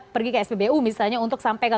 pergi ke spbu misalnya untuk sampai ke